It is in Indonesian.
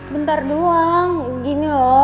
bentar doang gini loh